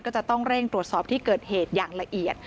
ก็จะต้องเร่งตรวจสอบที่เกิดเหตุอย่างละเอียด